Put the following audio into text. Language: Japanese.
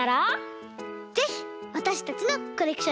ぜひわたしたちのコレクションにさせてね！